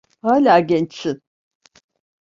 Hala gençsin.